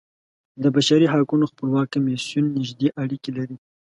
د بشري حقونو خپلواک کمیسیون نږدې اړیکې لري.